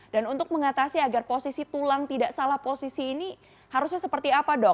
dan untuk mengatasi agar posisi tulang tidak salah posisi ini harusnya seperti apa dok